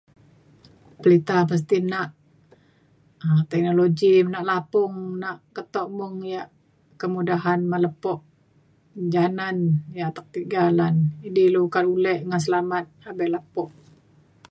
Pelinta mesti nak um teknologi nak lapung nak keto mung ia' kemudahan me lepo janan ia' atek tiga lan. E'di ilu ka ulek ngan selamat abe lepo.